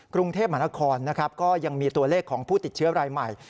กรุงเทพมหานครนะครับก็ยังมีตัวเลขของผู้ติดเชื้อรายใหม่